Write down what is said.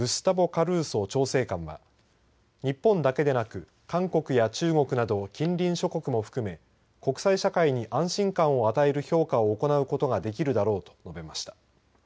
・カルーソ調整官は日本だけでなく韓国や中国など近隣諸国も含め、国際社会に安心感を与える評価を行うことができるだろうと述べました。